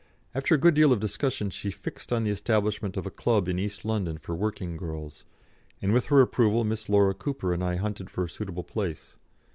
After a good deal of discussion she fixed on the establishment of a club in East London for working girls, and with her approval Miss Laura Cooper and I hunted for a suitable place.